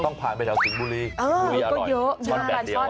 ต้องพาไปแล้วซื้อบุรีบุรีอร่อยช่อนแดดเดียว